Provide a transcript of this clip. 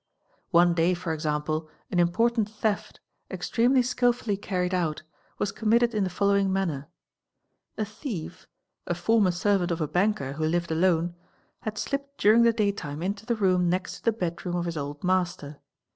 One day for example an important theft, | extremely skilfully carried out, was committed in the following manner | A thief, a former servant of a banker who lived alone, had slipped during | the daytime into the room next to the bed room of his old master.